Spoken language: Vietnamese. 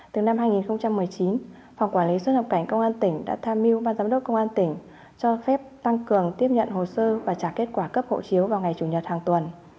từ năm hai nghìn một mươi chín phòng quản lý xuất nhập cảnh công an tỉnh đã tham mưu ban giám đốc công an tỉnh cho phép tăng cường tiếp nhận hồ sơ và trả kết quả cấp hộ chiếu vào ngày chủ nhật hàng tuần